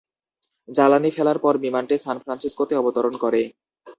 জ্বালানি ফেলার পর বিমানটি সান ফ্রান্সিসকোতে অবতরণ করে।